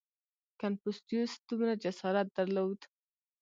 • کنفوسیوس دومره جسارت درلود.